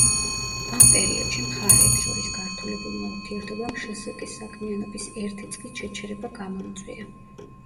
ამ პერიოდში მხარეებს შორის გართულებულმა ურთიერთობამ შსკ-ის საქმიანობის ერთი წლით შეჩერება გამოიწვია.